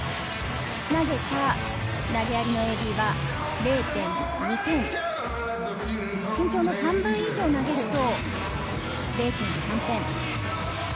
投げた投げ上げのＡＤは身長の３倍以上投げると０．３点。